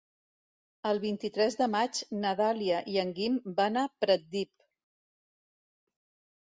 El vint-i-tres de maig na Dàlia i en Guim van a Pratdip.